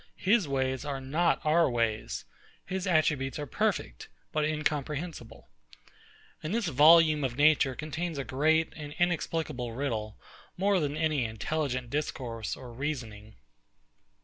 His ways are not our ways. His attributes are perfect, but incomprehensible. And this volume of nature contains a great and inexplicable riddle, more than any intelligible discourse or reasoning.